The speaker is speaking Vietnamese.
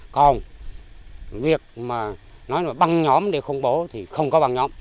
còn việc mà nói là băng nhóm để khủng bố thì không có băng nhóm